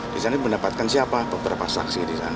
di sana mendapatkan siapa beberapa saksi